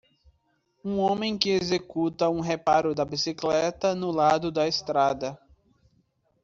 Um homem que executa um reparo da bicicleta no lado da estrada.